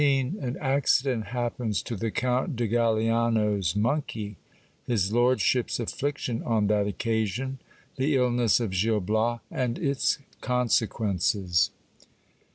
— An accident happens to the Count de Galiands monkey ; his lord ship's affliction on that occasion. The illness of Gil Bias, and its consequences.